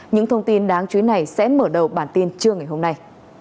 những thông tin đáng chú ý này sẽ mở đầu bản tin trưa ngày hôm nay